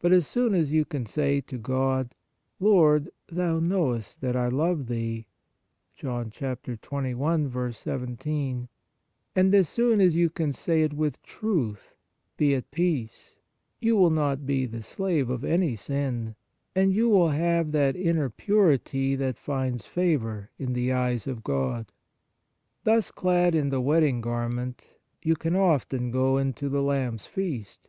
But as soon as you can say to God :" Lord, thou knowest that I love thee,"* and as soon as you can say it with truth, be at peace, you will not be the slave of any sin, and you will have that inner purity that finds favour in the eyes of God. Thus clad in the wedding garment, you can often go into the Lamb s feast.